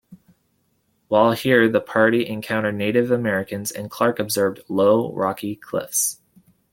While here the party encountered Native Americans and Clark observed "low rockey clifts".